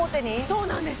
そうなんです